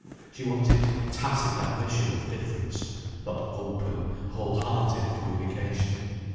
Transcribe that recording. She wanted tacit admission of difference, not open, wholehearted communication.